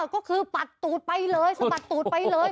ก็คือปัดตูดไปเลยสะบัดตูดไปเลย